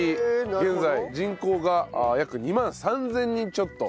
現在人口が約２万３０００人ちょっと。